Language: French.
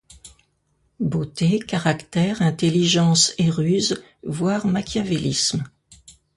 Beauté, caractère, intelligence et ruse, voire machiavélisme.